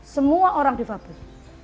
semua orang disabilitas